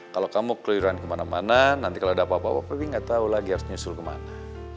kalo kamu keluiran kemana mana nanti kalo ada apa apa tapi gak tau lagi harus nyusul kemana